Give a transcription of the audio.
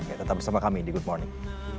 ya tetap bersama kami di good morning